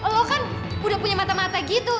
lo kan udah punya mata mata gitu